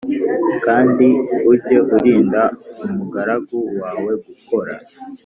Kandi ujye urinda umugaragu wawe gukora